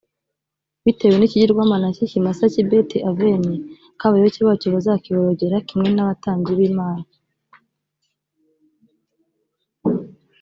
bitewe n ikigirwamana cy ikimasa cy i beti aveni k abayoboke bacyo bazakiborogera kimwe n abatambyi b imana